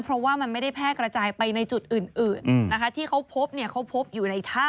เพราะว่ามันไม่ได้แพร่กระจายไปในจุดอื่นที่เขาพบอยู่ในถ้ำ